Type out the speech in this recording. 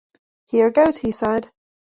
“Here goes!” he said.